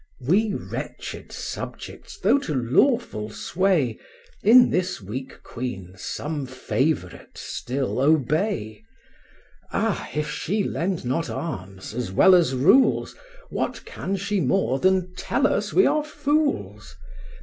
We, wretched subjects, though to lawful sway, In this weak queen some favourite still obey: Ah! if she lend not arms, as well as rules, What can she more than tell us we are fools?